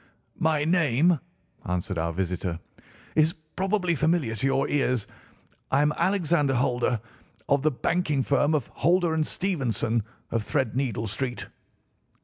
"My name," answered our visitor, "is probably familiar to your ears. I am Alexander Holder, of the banking firm of Holder & Stevenson, of Threadneedle Street."